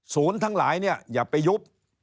ทั้งหลายเนี่ยอย่าไปยุบ